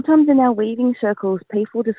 itu membawa orang orang bersama untuk duduk